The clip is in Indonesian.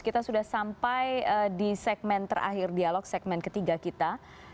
kita sudah sampai di segmen terakhir dialog segmen ketiga kita